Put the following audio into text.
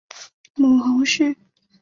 母侯氏。